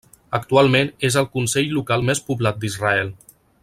Actualment és el consell local més poblat d'Israel.